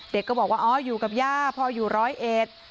เด็กก็บอกว่าอยู่กับย่าพ่ออยู่ร้อยเอส